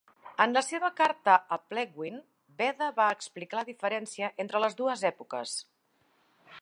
En la seva Carta a Plegwin, Beda va explicar la diferència entre les dues èpoques.